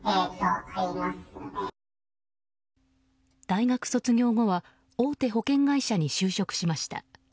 大学卒業後は大手保険会社に就職しました。